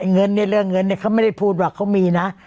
เงินเนี่ยเรื่องเงินเนี่ยเขาไม่ได้พูดว่าเขามีนะ